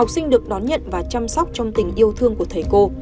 học sinh được đón nhận và chăm sóc trong tình yêu thương của thầy cô